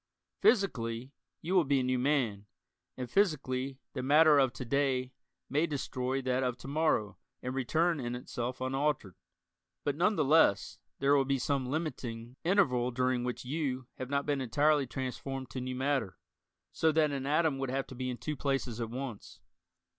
Physically, you will be a new man, and physically the matter of to day may destroy that of to morrow and return in itself unaltered. But none the less there will be some limiting interval during which "you" have not been entirely transformed to new matter, so that an atom would have to be in two places at once.